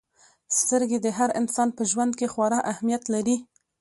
• سترګې د هر انسان په ژوند کې خورا اهمیت لري.